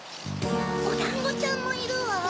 おだんごちゃんもいるわ。